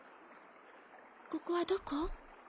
ここはどこ？